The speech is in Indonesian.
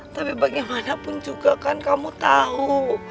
tapi bagaimanapun juga kan kamu tahu